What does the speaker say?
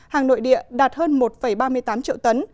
hàng nội địa đạt hơn một ba mươi tám triệu tấn